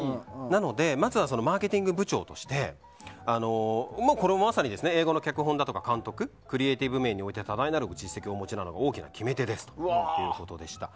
まずはマーケティング部長としてこれもまさに映画の脚本だとか監督クリエイティブ面で大きな実績をお持ちなので大きな決め手ですということでした。